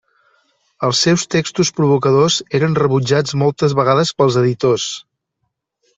Els seus textos provocadors eren rebutjats moltes vegades pels editors.